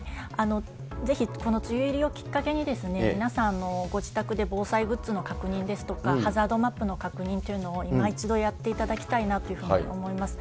ぜひこの梅雨入りをきっかけに、皆さんのご自宅で防災グッズの確認ですとか、ハザードマップの確認というのをいま一度やっていただきたいなというふうに思います。